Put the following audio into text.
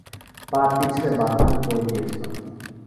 পা পিছলে বাথরুমে পড়ে গিয়েছিলাম।